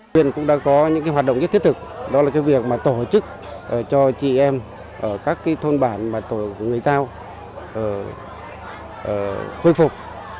tuyên cũng đã có những hoạt động nhất thiết thực đó là việc tổ chức cho chị em ở các thôn bản của người dao khôi phục